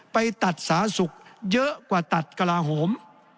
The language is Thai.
ไปตัดสาธารณสุขเยอะกว่าตัดกระลาโหม